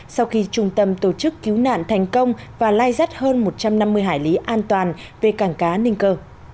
sau khi trung tâm tổ chức cứu nạn thành công và lai rắt hơn một trăm năm mươi hải lý an toàn về cảng cá ninh cơ